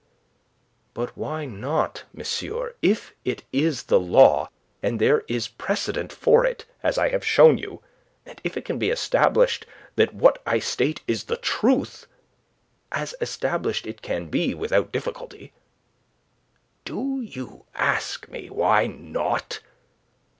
"But why not, monsieur, if it is the law, and there is precedent for it, as I have shown you, and if it can be established that what I state is the truth as established it can be without difficulty?" "Do you ask me, why not?